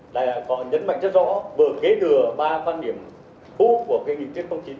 đã có nhấn mạnh rất rõ vừa kế đừa ba quan điểm cũ của nghị quyết chín